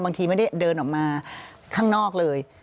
ไม่ได้เดินออกมาข้างนอกเลย